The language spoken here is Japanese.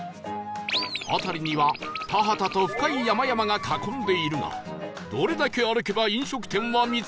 辺りには田畑と深い山々が囲んでいるがどれだけ歩けば飲食店は見つかるのか？